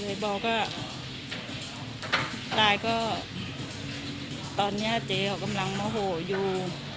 บอกว่าตายก็ตอนนี้เจ๊เขากำลังโมโหอยู่